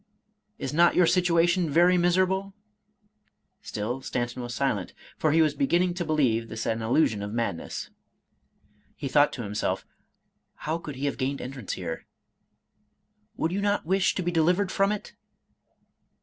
" Is not your situation very miser able ?"— Still Stanton was silent ; for he was beginning to 194 Charles Robert Maturin believe this an illusion of madness. He thought to himself, " How could he have gained entrance here ?"—'' Would you not wish to be delivered from it